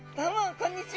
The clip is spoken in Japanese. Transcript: こんにちは。